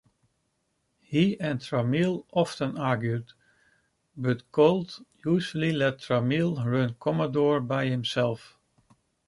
He and Tramiel often argued, but Gould usually let Tramiel run Commodore by himself.